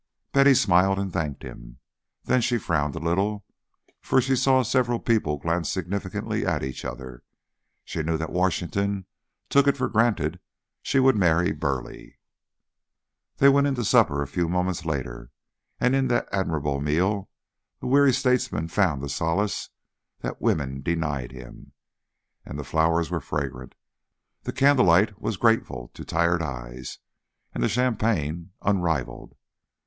Betty smiled and thanked him; then she frowned a little, for she saw several people glance significantly at each other. She knew that Washington took it for granted she would marry Burleigh. They went in to supper a few moments later, and in that admirable meal the weary statesmen found the solace that woman denied him. And the flowers were fragrant; the candlelight was grateful to tired eyes, and the champagne unrivalled.